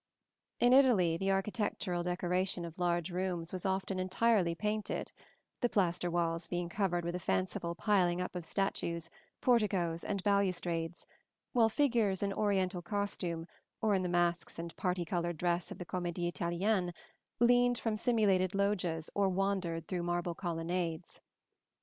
In Italy the architectural decoration of large rooms was often entirely painted (see Plate XLIV), the plaster walls being covered with a fanciful piling up of statues, porticoes and balustrades, while figures in Oriental costume, or in the masks and parti colored dress of the Comédie Italienne, leaned from simulated loggias or wandered through marble colonnades.